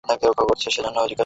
সেজন্যই জিজ্ঞাসা করছি।